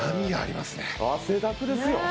汗だくですよ。